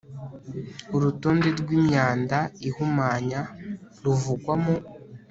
Urutonde rw imyanda ihumanya ruvugwa mu